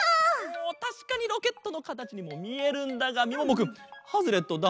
おおたしかにロケットのかたちにもみえるんだがみももくんハズレットだ。